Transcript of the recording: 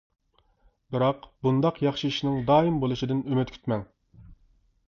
بىراق بۇنداق ياخشى ئىشنىڭ دائىم بولۇشىدىن ئۈمىد كۈتمەڭ.